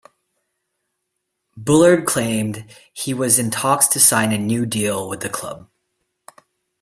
Bullard claimed he was in talks to sign a new deal with the club.